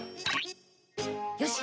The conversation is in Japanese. よし。